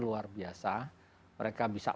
luar biasa mereka bisa